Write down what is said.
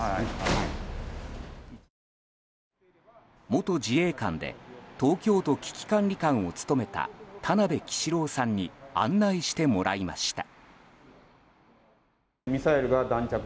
元自衛官で東京都危機管理監を務めた田辺揮司良さんに案内してもらいました。